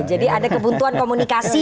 jadi ada kebutuhan komunikasi